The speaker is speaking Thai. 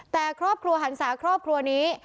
แต่ครอบครัวหันศาครอบครัวนี้